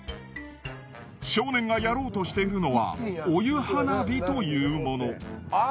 少年がやろうとしているのはお湯花火というもの。